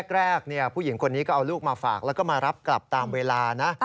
ผู้หญิงคนนี้ก็เอาลูกมาฝากแล้วก็มารับกลับตามเวลานะ